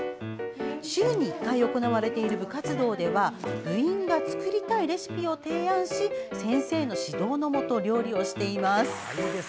週に１回行われている部活動では部員が作りたいレシピを提案し先生の指導のもと料理をしています。